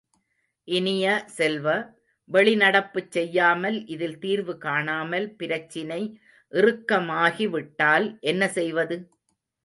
இனிய செல்வ, வெளி நடப்புச் செய்யாமல் இதில் தீர்வு காணாமல் பிரச்சினை இறுக்கமாகி விட்டால் என்னசெய்வது?